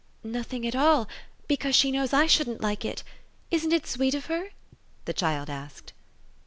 "Nothing at all because she knows I shouldn't like it. Isn't it sweet of her?" the child asked.